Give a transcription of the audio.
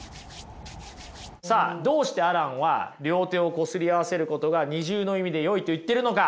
さあどうしてアランは両手をこすり合わせることが二重の意味でよいと言っているのか？